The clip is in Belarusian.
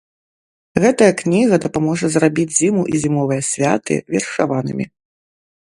Гэтая кніга дапаможа зрабіць зіму і зімовыя святы вершаванымі.